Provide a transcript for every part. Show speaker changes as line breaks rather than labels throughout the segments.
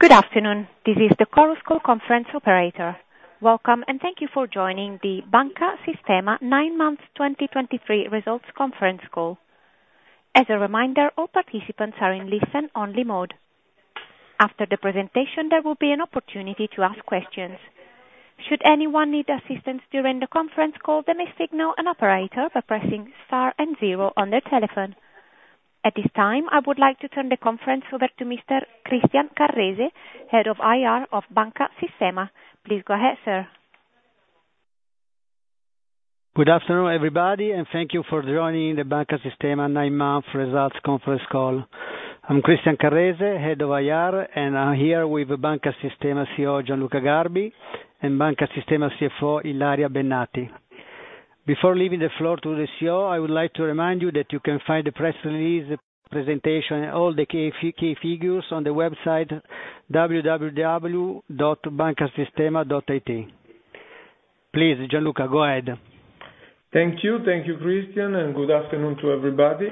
Good afternoon. This is the Chorus Call conference operator. Welcome, and thank you for joining the Banca Sistema nine months 2023 results conference call. As a reminder, all participants are in listen-only mode. After the presentation, there will be an opportunity to ask questions. Should anyone need assistance during the conference call, they may signal an operator by pressing star and zero on their telephone. At this time, I would like to turn the conference over to Mr. Christian Carrese, Head of IR of Banca Sistema. Please go ahead, sir.
Good afternoon, everybody, and thank you for joining the Banca Sistema nine months results conference call. I'm Christian Carrese, head of IR, and I'm here with Banca Sistema CEO Gianluca Garbi and Banca Sistema CFO Ilaria Bennati. Before leaving the floor to the CEO, I would like to remind you that you can find the press release, presentation, and all the key figures on the website www.bancasistema.it. Please, Gianluca, go ahead.
Thank you. Thank you, Christian, and good afternoon to everybody.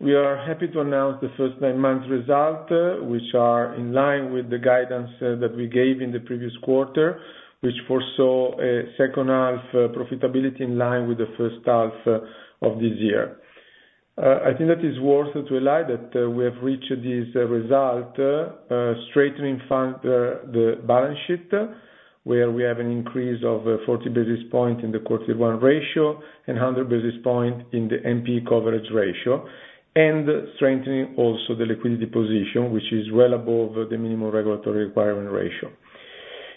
We are happy to announce the first nine months result, which are in line with the guidance that we gave in the previous quarter, which foresaw a second half profitability in line with the first half of this year. I think that it's worth to highlight that we have reached this result strengthening the balance sheet, where we have an increase of 40 basis points in the CET1 ratio and 100 basis points in the NPL coverage ratio, and strengthening also the liquidity position, which is well above the minimum regulatory requirement ratio.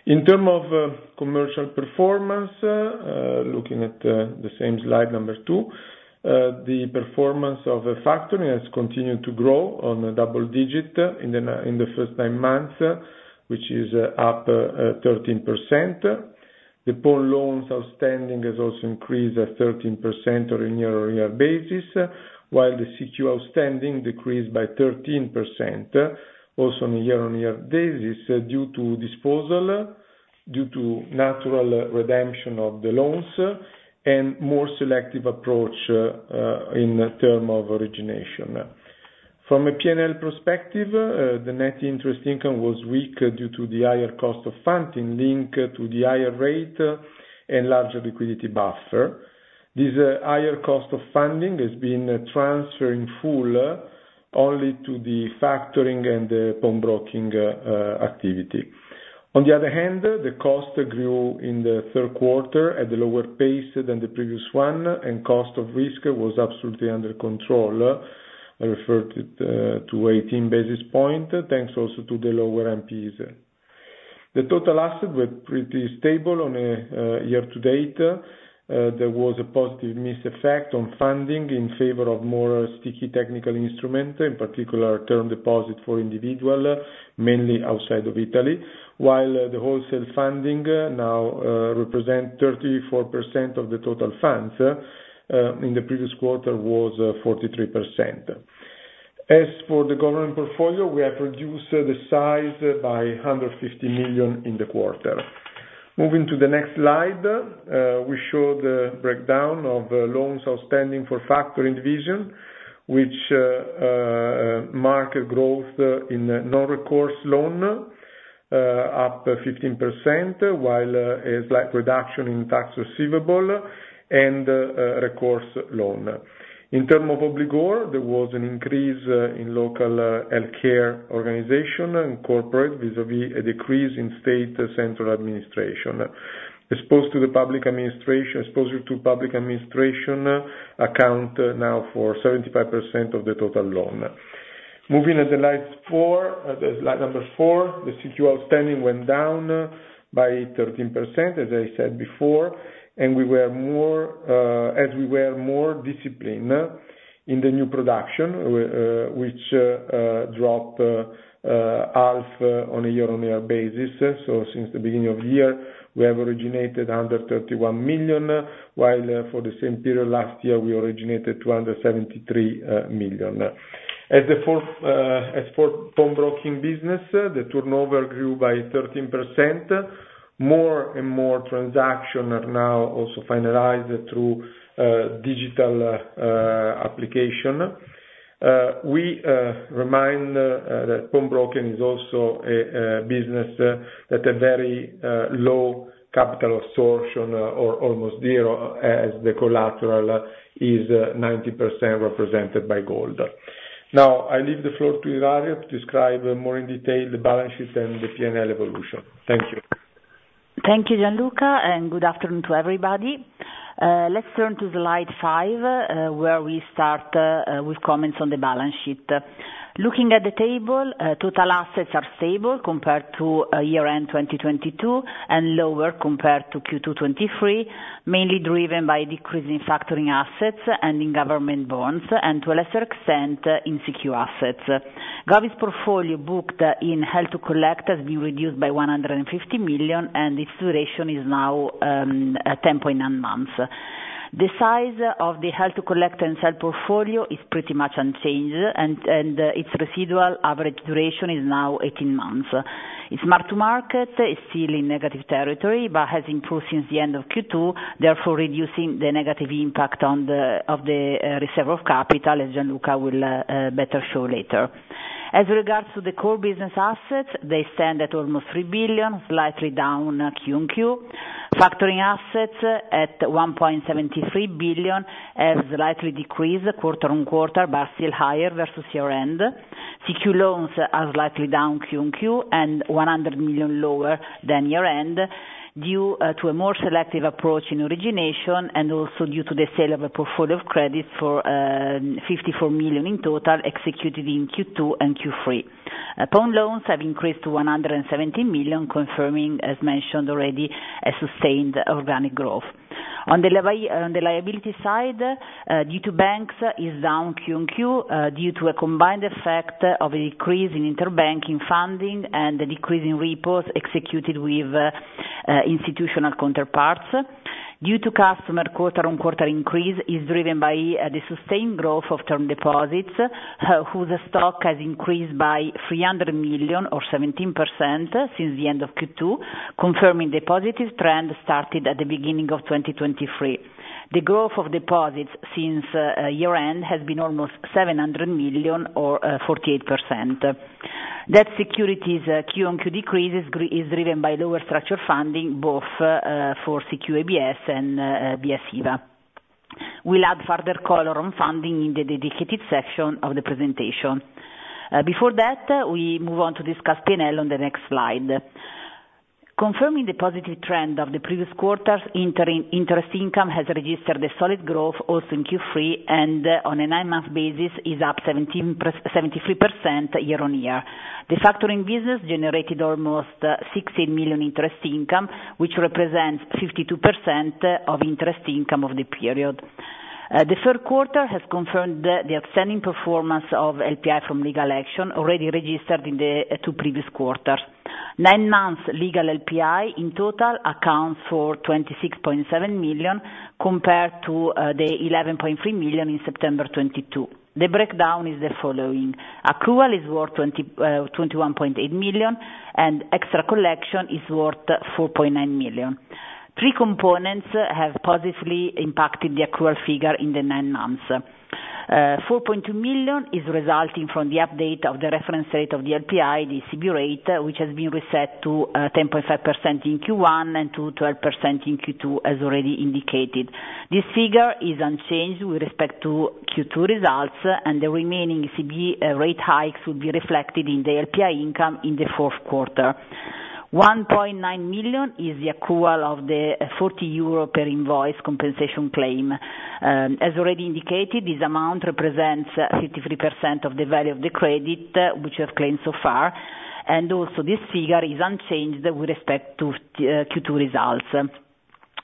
In terms of commercial performance, looking at the same slide, number two, the performance of factoring has continued to grow on a double digit in the first nine months, which is up 13%. The pawnbroking loans outstanding have also increased at 13% on a year-on-year basis, while the CQ outstanding decreased by 13% also on a year-on-year basis due to natural redemption of the loans and more selective approach in terms of origination. From a P&L perspective, the net interest income was weak due to the higher cost of funding linked to the IR rate and larger liquidity buffer. This higher cost of funding has been transferred in full only to the factoring and the pawnbroking activity. On the other hand, the cost grew in the third quarter at a lower pace than the previous one, and cost of risk was absolutely under control, referred to 18 basis points, thanks also to the lower NPLs. The total assets were pretty stable on a year-to-date. There was a positive mix effect on funding in favor of more sticky technical instruments, in particular term deposits for individuals, mainly outside of Italy, while the wholesale funding now represents 34% of the total funds. In the previous quarter, it was 43%. As for the government portfolio, we have reduced the size by 150 million in the quarter. Moving to the next slide, we showed the breakdown of loans outstanding for factoring division, which marked growth in non-recourse loans up 15%, while a slight reduction in tax receivables and recourse loans. In terms of obligor, there was an increase in local healthcare organizations and corporates vis-à-vis a decrease in state central administration. Exposure to public administration accounts now for 75% of the total loans. Moving to slide four, the CQ outstanding went down by 13%, as I said before, and we were more disciplined in the new production, which dropped half on a year-on-year basis. So since the beginning of the year, we have originated 131 million, while for the same period last year, we originated 273 million. As for pawnbroking business, the turnover grew by 13%. More and more transactions are now also finalized through digital application. We remind that pawnbroking is also a business that has very low capital absorption, or almost zero, as the collateral is 90% represented by gold. Now, I leave the floor to Ilaria to describe more in detail the balance sheet and the P&L evolution. Thank you.
Thank you, Gianluca Garbi, and good afternoon to everybody. Let's turn to slide five, where we start with comments on the balance sheet. Looking at the table, total assets are stable compared to year-end 2022 and lower compared to Q2 2023, mainly driven by a decrease in factoring assets and in government bonds, and to a lesser extent in CQ assets. Govies portfolio booked in Held to Collect has been reduced by 150 million, and its duration is now 10.9 months. The size of the Held to Collect and Sell portfolio is pretty much unchanged, and its residual average duration is now 18 months. Its mark-to-market is still in negative territory but has improved since the end of Q2, therefore reducing the negative impact on the reserve of capital, as Gianluca Garbi will better show later. As regards to the core business assets, they stand at almost 3 billion, slightly down Q&Q. Factoring assets at 1.73 billion have slightly decreased quarter-over-quarter but are still higher versus year-end. CQ loans are slightly down Q&Q and 100 million lower than year-end due to a more selective approach in origination and also due to the sale of a portfolio of credits for 54 million in total executed in Q2 and Q3. Pawnbroking loans have increased to 117 million, confirming, as mentioned already, a sustained organic growth. On the liability side, due to banks, it is down Q&Q due to a combined effect of a decrease in interbank funding and a decrease in repos executed with institutional counterparts. Due to customer quarter-over-quarter increase, it is driven by the sustained growth of term deposits, whose stock has increased by 300 million, or 17%, since the end of Q2, confirming the positive trend started at the beginning of 2023. The growth of deposits since year-end has been almost 700 million, or 48%. Debt securities Q&Q decrease is driven by lower structured funding, both for CQ ABS and BS IVA. We'll add further color on funding in the dedicated section of the presentation. Before that, we move on to discuss P&L on the next slide. Confirming the positive trend of the previous quarters, interest income has registered a solid growth also in Q3 and on a nine-month basis is up 73% year-on-year. The factoring business generated almost 16 million interest income, which represents 52% of interest income of the period. The third quarter has confirmed the outstanding performance of LPI from legal action, already registered in the two previous quarters. Nine-month legal LPI in total accounts for 26.7 million compared to the 11.3 million in September 2022. The breakdown is the following: accrual is worth 21.8 million, and extra collection is worth 4.9 million. Three components have positively impacted the accrual figure in the nine months. 4.2 million is resulting from the update of the reference rate of the LPI, the ECB rate, which has been reset to 10.5% in Q1 and to 12% in Q2, as already indicated. This figure is unchanged with respect to Q2 results, and the remaining ECB rate hikes will be reflected in the LPI income in the fourth quarter. 1.9 million is the accrual of the 40 euro per invoice compensation claim. As already indicated, this amount represents 53% of the value of the credit which you have claimed so far, and also this figure is unchanged with respect to Q2 results.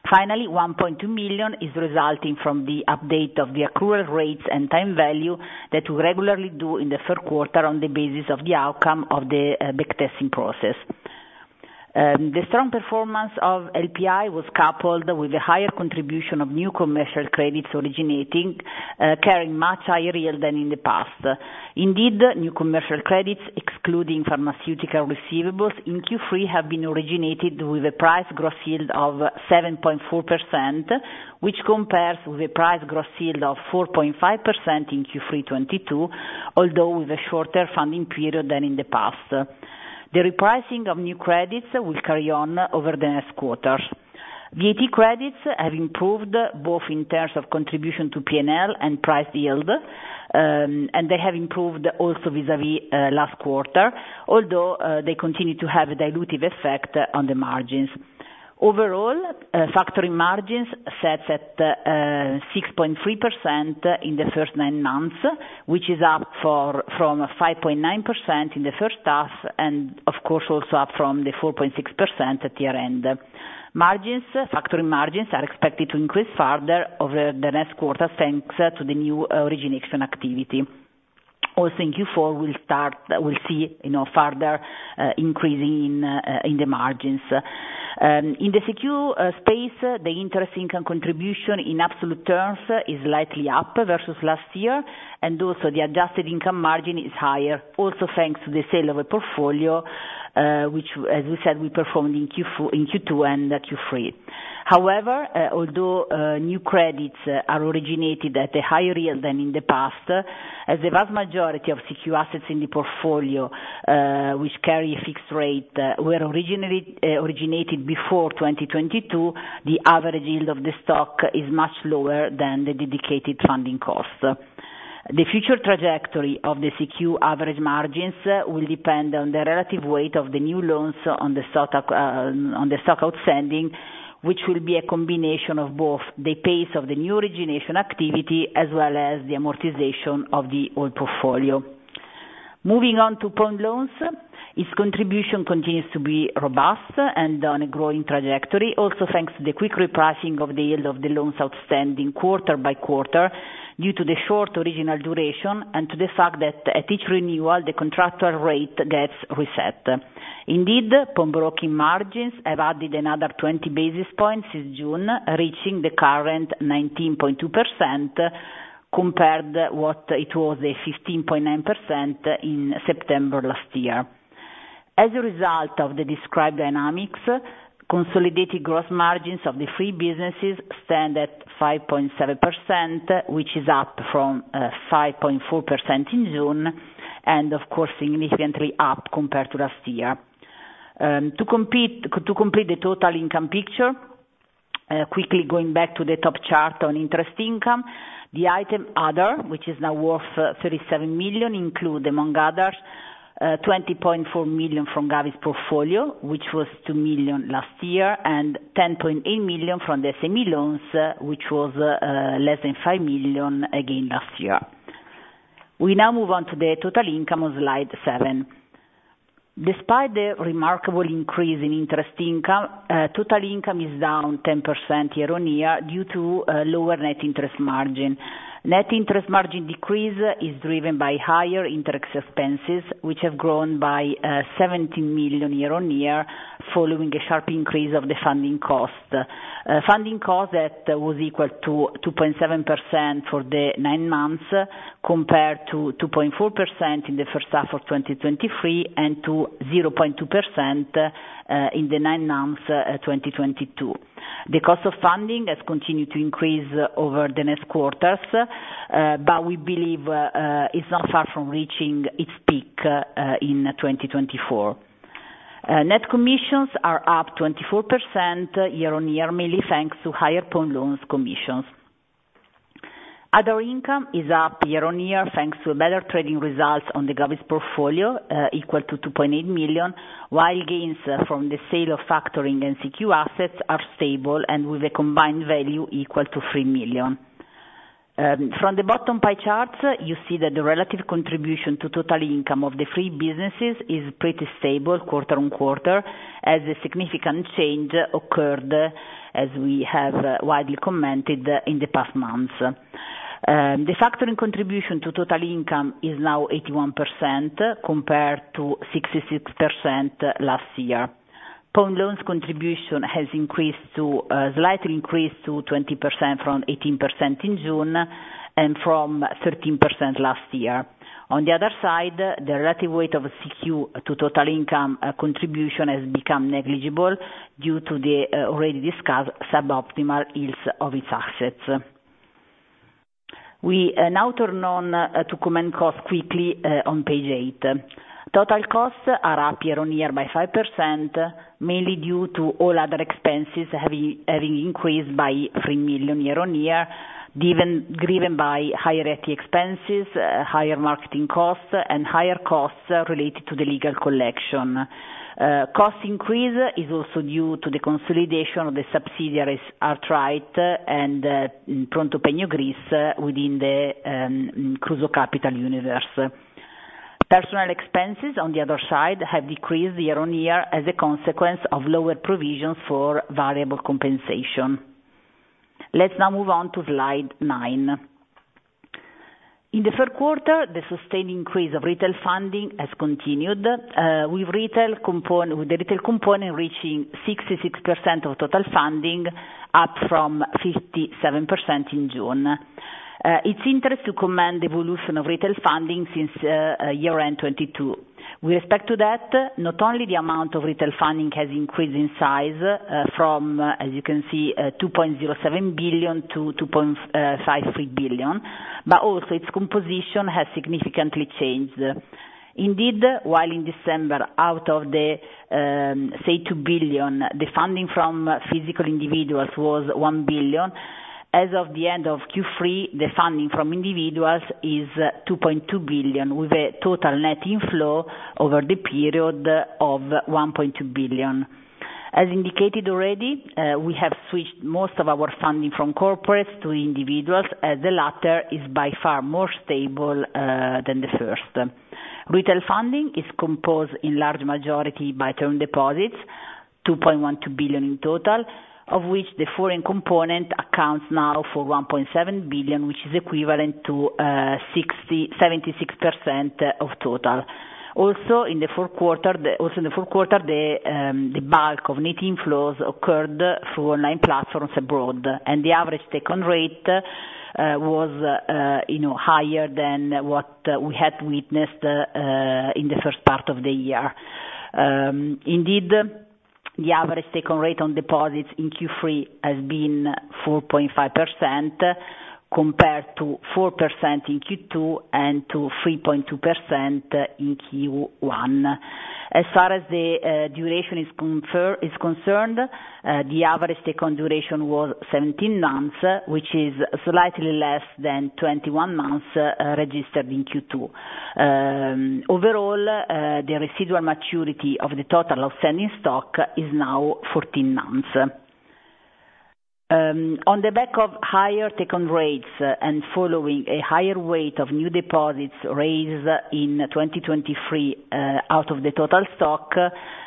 Finally, 1.2 million is resulting from the update of the accrual rates and time value that we regularly do in the third quarter on the basis of the outcome of the backtesting process. The strong performance of LPI was coupled with a higher contribution of new commercial credits originating, carrying much higher yield than in the past. Indeed, new commercial credits, excluding pharmaceutical receivables in Q3, have been originated with a price gross yield of 7.4%, which compares with a price gross yield of 4.5% in Q3 2022, although with a shorter funding period than in the past. The repricing of new credits will carry on over the next quarter. VAT credits have improved both in terms of contribution to P&L and price yield, and they have improved also vis-à-vis last quarter, although they continue to have a dilutive effect on the margins. Overall, factoring margins set at 6.3% in the first nine months, which is up from 5.9% in the first half and, of course, also up from the 4.6% at year-end. Factoring margins are expected to increase further over the next quarter thanks to the new origination activity. Also, in Q4, we'll see further increasing in the margins. In the CQ space, the interest income contribution in absolute terms is slightly up versus last year, and also the adjusted income margin is higher, also thanks to the sale of a portfolio, which, as we said, we performed in Q2 and Q3. However, although new credits are originated at a higher yield than in the past, as the vast majority of CQ assets in the portfolio, which carry a fixed rate, were originated before 2022, the average yield of the stock is much lower than the dedicated funding cost. The future trajectory of the CQ average margins will depend on the relative weight of the new loans on the stock outstanding, which will be a combination of both the pace of the new origination activity as well as the amortization of the old portfolio. Moving on to pawnbroking, its contribution continues to be robust and on a growing trajectory, also thanks to the quick repricing of the yield of the loans outstanding quarter by quarter due to the short original duration and to the fact that at each renewal, the contractual rate gets reset. Indeed, pawnbroking margins have added another 20 basis points since June, reaching the current 19.2% compared to what it was, the 15.9% in September last year. As a result of the described dynamics, consolidated gross margins of the three businesses stand at 5.7%, which is up from 5.4% in June and, of course, significantly up compared to last year. To complete the total income picture, quickly going back to the top chart on interest income, the item Other, which is now worth 37 million, includes, among others, 20.4 million from Govies portfolio, which was 2 million last year, and 10.8 million from the SME loans, which was less than 5 million again last year. We now move on to the total income on slide seven. Despite the remarkable increase in interest income, total income is down 10% year-on-year due to lower net interest margin. Net interest margin decrease is driven by higher interest expenses, which have grown by 17 million year-on-year following a sharp increase of the funding cost. Funding cost that was equal to 2.7% for the nine months compared to 2.4% in the first half of 2023 and to 0.2% in the nine months 2022. The cost of funding has continued to increase over the next quarters, but we believe it's not far from reaching its peak in 2024. Net commissions are up 24% year-on-year, mainly thanks to higher pawnbroking commissions. Other income is up year-on-year thanks to better trading results on the govies portfolio, equal to 2.8 million, while gains from the sale of factoring and CQ assets are stable and with a combined value equal to 3 million. From the bottom pie charts, you see that the relative contribution to total income of the three businesses is pretty stable quarter-on-quarter, as a significant change occurred, as we have widely commented, in the past months. The factoring contribution to total income is now 81% compared to 66% last year. Pawnbroking contribution has slightly increased to 20% from 18% in June and from 13% last year. On the other side, the relative weight of CQ to total income contribution has become negligible due to the already discussed suboptimal yields of its assets. We now turn to comment on costs quickly on page eight. Total costs are up year-on-year by 5%, mainly due to all other expenses having increased by 3 million year-on-year, driven by higher IT expenses, higher marketing costs, and higher costs related to the legal collection. Cost increase is also due to the consolidation of the subsidiaries Art-Rite and ProntoPegno Greece within the Kruso Kapital universe. Personnel expenses, on the other side, have decreased year-on-year as a consequence of lower provisions for variable compensation. Let's now move on to slide nine. In the third quarter, the sustained increase of retail funding has continued with the retail component reaching 66% of total funding, up from 57% in June. It's interesting to comment the evolution of retail funding since year-end 2022. With respect to that, not only the amount of retail funding has increased in size from, as you can see, 2.07 billion to 2.53 billion, but also its composition has significantly changed. Indeed, while in December, out of the, say, 2 billion, the funding from physical individuals was 1 billion, as of the end of Q3, the funding from individuals is 2.2 billion with a total net inflow over the period of 1.2 billion. As indicated already, we have switched most of our funding from corporates to individuals, as the latter is by far more stable than the first. Retail funding is composed in large majority by term deposits, 2.12 billion in total, of which the foreign component accounts now for 1.7 billion, which is equivalent to 76% of total. Also, in the fourth quarter, the bulk of net inflows occurred through online platforms abroad, and the average take-home rate was higher than what we had witnessed in the first part of the year. Indeed, the average take-home rate on deposits in Q3 has been 4.5% compared to 4% in Q2 and to 3.2% in Q1. As far as the duration is concerned, the average take-home duration was 17 months, which is slightly less than 21 months registered in Q2. Overall, the residual maturity of the total outstanding stock is now 14 months. On the back of higher take-home rates and following a higher weight of new deposits raised in 2023 out of the total stock,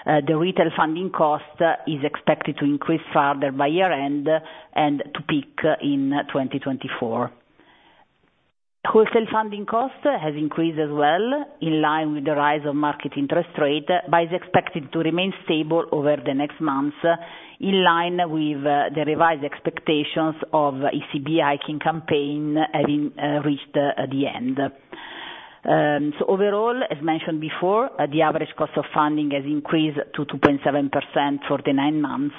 the retail funding cost is expected to increase further by year-end and to peak in 2024. Wholesale funding cost has increased as well in line with the rise of market interest rate, but is expected to remain stable over the next months in line with the revised expectations of ECB hiking campaign having reached the end. So overall, as mentioned before, the average cost of funding has increased to 2.7% for the nine months.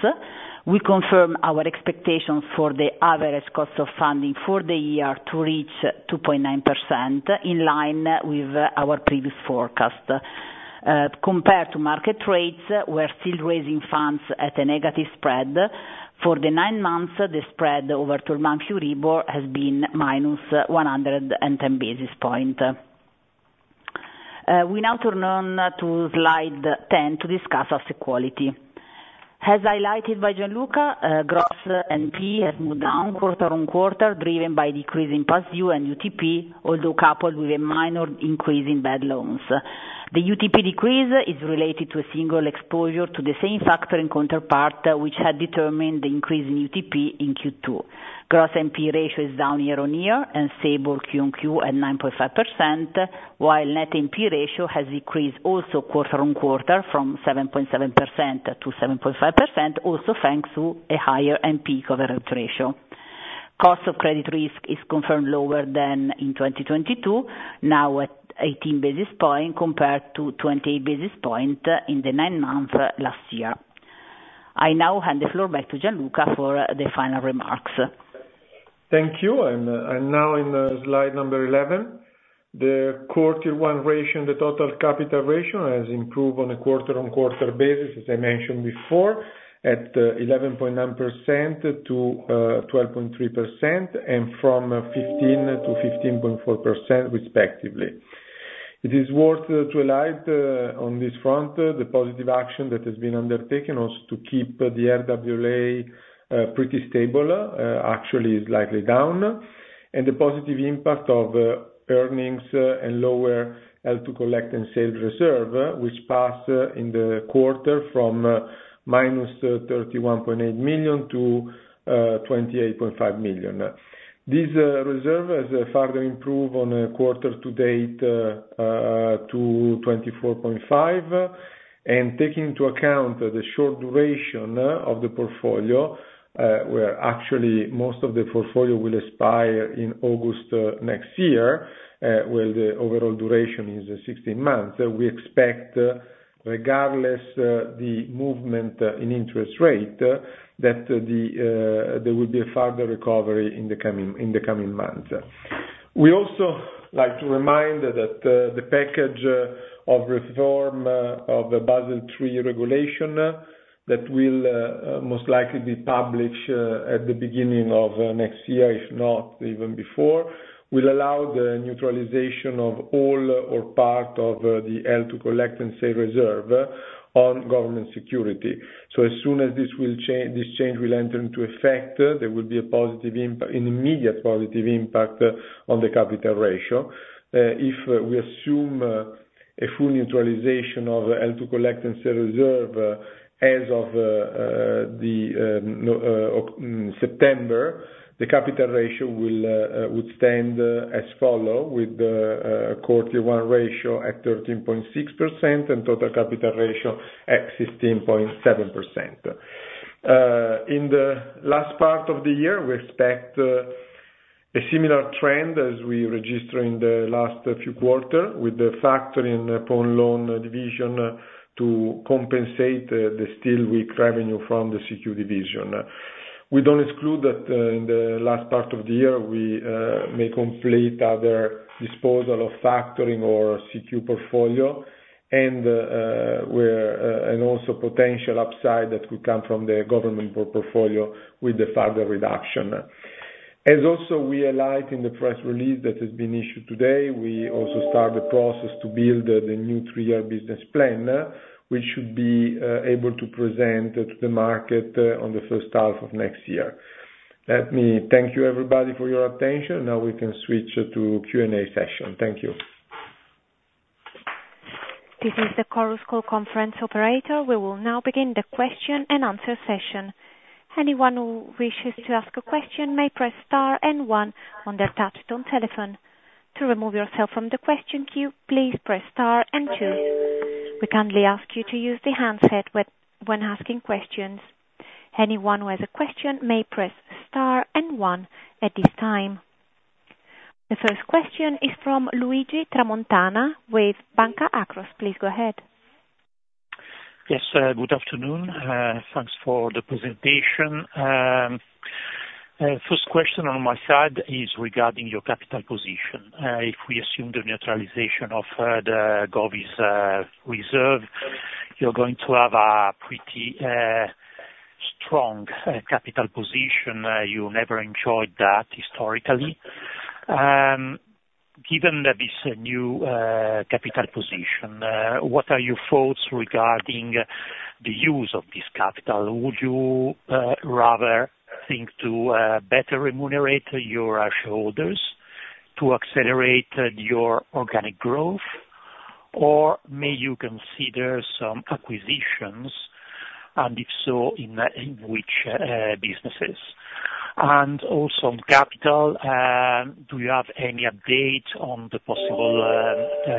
We confirm our expectations for the average cost of funding for the year to reach 2.9% in line with our previous forecast. Compared to market rates, we're still raising funds at a negative spread. For the nine months, the spread over 12-month Euribor has been minus 110 basis points. We now turn on to slide 10 to discuss asset quality. As highlighted by Gianluca, gross NPL has moved down quarter-over-quarter, driven by a decrease in past due and UTP, although coupled with a minor increase in bad loans. The UTP decrease is related to a single exposure to the same factoring counterpart, which had determined the increase in UTP in Q2. Gross NPL ratio is down year-over-year and stable Q-over-Q at 9.5%, while net NPL ratio has decreased also quarter-over-quarter from 7.7%-7.5%, also thanks to a higher NPL coverage ratio. Cost of credit risk is confirmed lower than in 2022, now at 18 basis points compared to 28 basis points in the nine months last year. I now hand the floor back to Gianluca for the final remarks.
Thank you. I'm now in slide number 11. The CET1 ratio, the total capital ratio, has improved on a quarter-over-quarter basis, as I mentioned before, at 11.9%-12.3% and from 15%-15.4% respectively. It is worth to highlight on this front the positive action that has been undertaken also to keep the RWA pretty stable. Actually, it's slightly down. The positive impact of earnings and lower held to collect and sell reserve, which passed in the quarter from -31.8 million to 28.5 million. This reserve has further improved on quarter to date to 24.5 million. Taking into account the short duration of the portfolio, where actually most of the portfolio will expire in August next year, while the overall duration is 16 months, we expect, regardless of the movement in interest rate, that there will be a further recovery in the coming months. We also like to remind that the package of reform of the Basel III regulation that will most likely be published at the beginning of next year, if not even before, will allow the neutralization of all or part of the Held to Collect and Sall reserve on government security. So as soon as this change will enter into effect, there will be an immediate positive impact on the capital ratio. If we assume a full neutralization of Held to Collect and Sell reserve as of September, the capital ratio would stand as follow, with the CET1 ratio at 13.6% and total capital ratio at 16.7%. In the last part of the year, we expect a similar trend as we register in the last few quarters with the factoring pawn loan division to compensate the still weak revenue from the CQ division. We don't exclude that in the last part of the year, we may complete other disposal of factoring or CQ portfolio and also potential upside that could come from the government portfolio with the further reduction. As also we highlight in the press release that has been issued today, we also start the process to build the new three-year business plan, which should be able to present to the market on the first half of next year. Let me thank you, everybody, for your attention. Now we can switch to Q&A session. Thank you.
This is the Chorus Call conference operator. We will now begin the question and answer session. Anyone who wishes to ask a question may press star and one on their touch-tone telephone. To remove yourself from the question queue, please press star and two. We kindly ask you to use the handset when asking questions. Anyone who has a question may press star and one at this time. The first question is from Luigi Tramontana with Banca Akros. Please go ahead.
Yes. Good afternoon. Thanks for the presentation. First question on my side is regarding your capital position. If we assume the neutralization of the Govies reserve, you're going to have a pretty strong capital position. You never enjoyed that historically. Given this new capital position, what are your thoughts regarding the use of this capital? Would you rather think to better remunerate your shareholders to accelerate your organic growth, or may you consider some acquisitions, and if so, in which businesses? And also on capital, do you have any update on the possible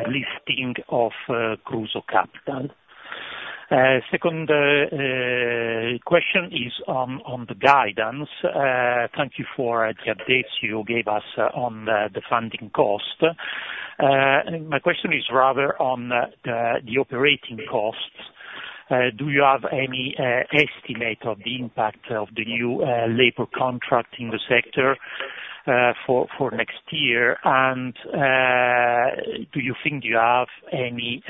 listing of Kruso Kapital? Second question is on the guidance. Thank you for the updates you gave us on the funding cost. My question is rather on the operating costs. Do you have any estimate of the impact of the new labor contract in the sector for next year? And do you think you have any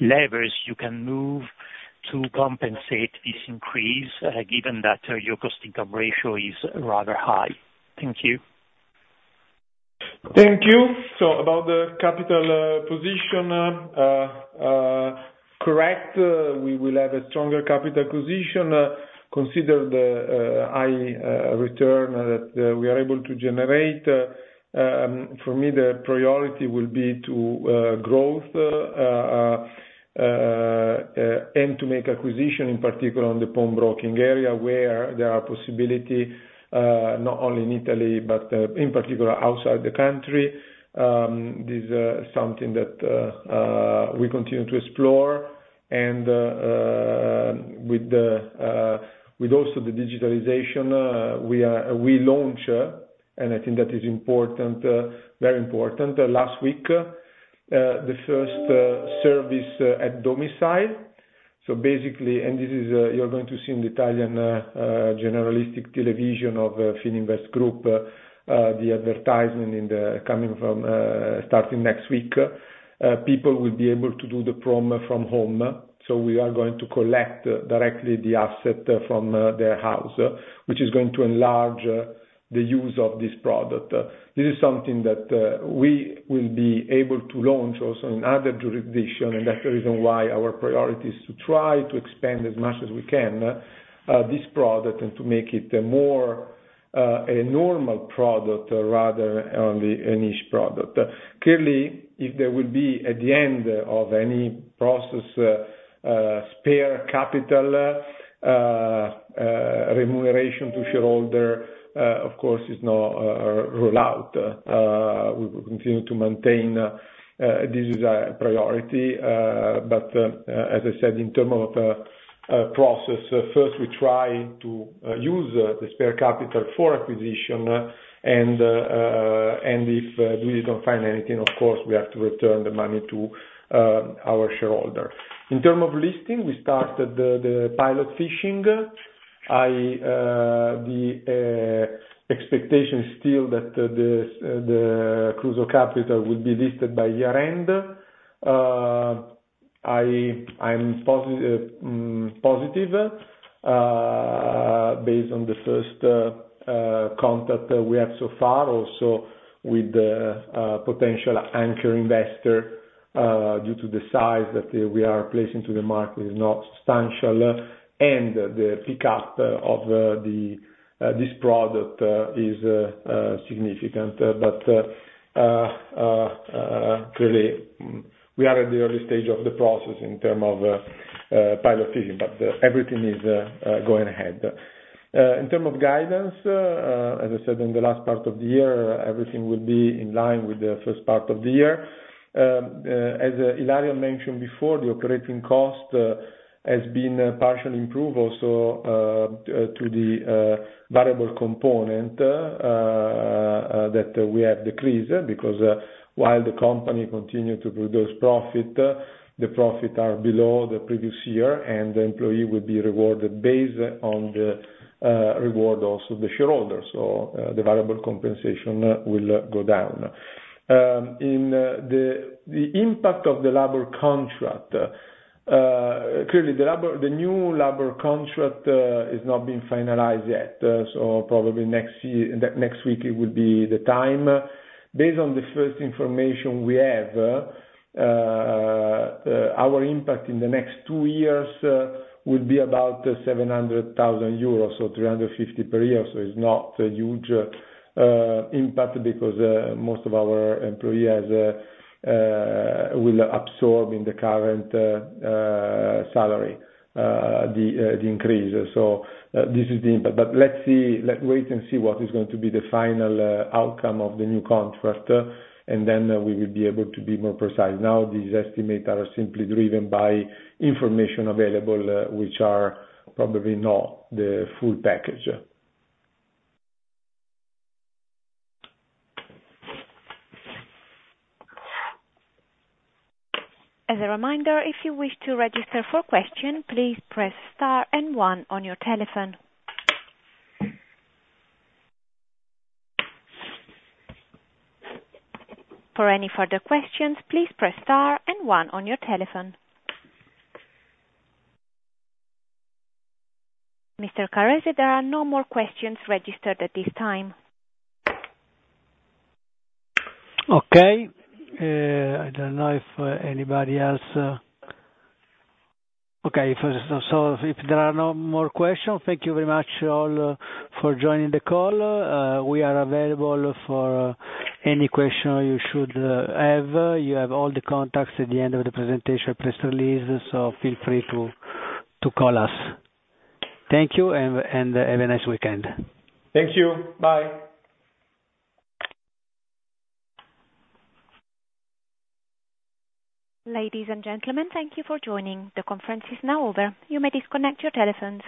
levers you can move to compensate this increase, given that your cost income ratio is rather high? Thank you.
Thank you. So about the capital position, correct, we will have a stronger capital position. Consider the high return that we are able to generate, for me, the priority will be to growth and to make acquisition, in particular, in the pawnbroking area where there are possibilities not only in Italy but, in particular, outside the country. This is something that we continue to explore. And with also the digitalization, we launched, and I think that is important, very important, last week, the first service at domicile. This is you're going to see in the Italian generalist television of Fininvest Group, the advertisement starting next week. People will be able to do the ProntoPegno from home. So we are going to collect directly the asset from their house, which is going to enlarge the use of this product. This is something that we will be able to launch also in other jurisdictions. That's the reason why our priority is to try to expand as much as we can this product and to make it more a normal product rather than only a niche product. Clearly, if there will be, at the end of any process, spare capital remuneration to shareholder, of course, is not ruled out. We will continue to maintain. This is a priority. As I said, in terms of the process, first, we try to use the spare capital for acquisition. If we don't find anything, of course, we have to return the money to our shareholder. In terms of listing, we started the pilot fishing. The expectation is still that the Kruso Kapital will be listed by year-end. I'm positive based on the first contact we have so far, also with the potential anchor investor. Due to the size that we are placing to the market is not substantial. And the pickup of this product is significant. But clearly, we are at the early stage of the process in terms of pilot fishing. But everything is going ahead. In terms of guidance, as I said, in the last part of the year, everything will be in line with the first part of the year. As Ilaria mentioned before, the operating cost has been partially improved also to the variable component that we have decreased because while the company continues to produce profit, the profits are below the previous year. The employee will be rewarded based on the reward also of the shareholder. The variable compensation will go down. In the impact of the labor contract, clearly, the new labor contract is not being finalized yet. Probably next week, it will be the time. Based on the first information we have, our impact in the next two years will be about 700,000 euros, so 350,000 per year. It's not a huge impact because most of our employees will absorb in the current salary the increase. This is the impact. But let's wait and see what is going to be the final outcome of the new contract. And then we will be able to be more precise. Now, these estimates are simply driven by information available, which are probably not the full package.
As a reminder, if you wish to register for questions, please press star and one on your telephone. For any further questions, please press star and one on your telephone. Mr. Carrese, there are no more questions registered at this time.
Okay. I don't know if anybody else. Okay. So if there are no more questions, thank you very much all for joining the call. We are available for any question you should have. You have all the contacts at the end of the presentation, press release. So feel free to call us. Thank you and have a nice weekend.
Thank you. Bye.
Ladies and gentlemen, thank you for joining. The conference is now over. You may disconnect your telephones.